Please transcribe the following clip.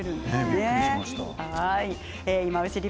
びっくりしました。